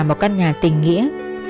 một căn nhà tình nghĩa